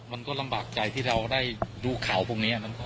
มันก็ลำบากใจที่เราได้ดูข่าวพวกนี้